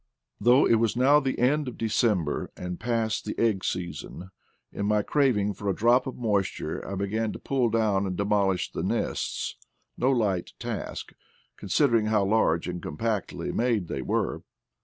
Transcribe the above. Though it was now the end of December and past the egg season, in my crav ing for a drop of moisture I began to pull down and demolish the nests — no light task, considering how large and compactly made they were.